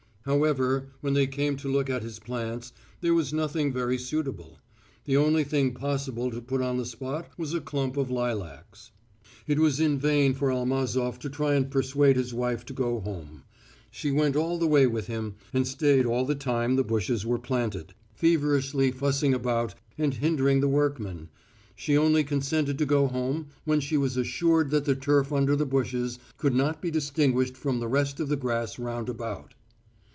However, when they came to look at his plants, there was nothing very suitable. The only thing possible to put on the spot was a clump of lilacs. It was in vain for Almazof to try and persuade his wife to go home. She went all the way with him, and stayed all the time the bushes were planted, feverishly fussing about and hindering the workmen. She only consented to go home when she was assured that the turf under the bushes could not be distinguished from the rest of the grass round about.